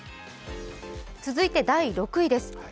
続いて第６位です。